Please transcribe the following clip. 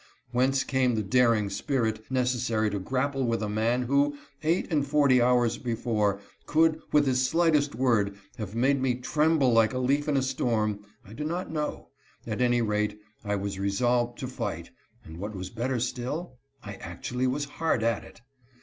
Whence came the daring spirit necessary to grapple with a man who, eight and forty hours before, could, with his slightest word, have made me tremble like a leaf in a storm, I do not know ; at any rate, I was resolved to fight, and what was better still, I actually was hard at it.